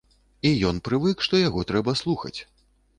І ён прывык, што яго трэба слухаць.